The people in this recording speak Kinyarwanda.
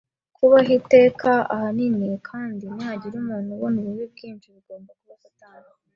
kubaho iteka ahanini; kandi nihagira umuntu ubona ububi bwinshi, bigomba kuba satani